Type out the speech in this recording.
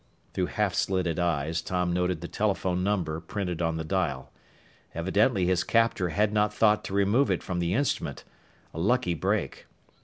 Through half slitted eyes, Tom noted the telephone number printed on the dial. Evidently his captor had not thought to remove it from the instrument. A lucky break!